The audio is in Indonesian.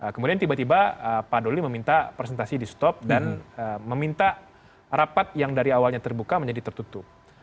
kemudian tiba tiba pak doli meminta presentasi di stop dan meminta rapat yang dari awalnya terbuka menjadi tertutup